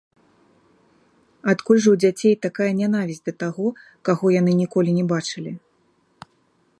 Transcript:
Адкуль жа ў дзяцей такая нянавісць да таго, каго яны ніколі не бачылі?